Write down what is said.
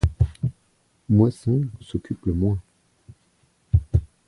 Moisson s’occupe le moins.